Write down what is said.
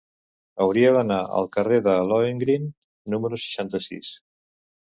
Hauria d'anar al carrer de Lohengrin número seixanta-sis.